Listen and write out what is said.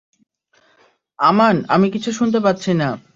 আমান আমি কিছু শুনতে পাচ্ছি না।